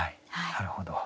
なるほど。